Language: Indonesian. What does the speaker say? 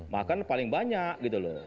makan paling banyak gitu loh